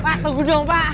pak tunggu dong pak